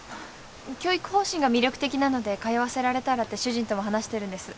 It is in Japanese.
教育方針が魅力的なので通わせられたらって主人とも話してるんです。